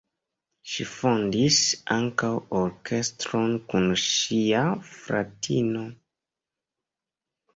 Ŝi fondis ankaŭ orkestron kun ŝia fratino.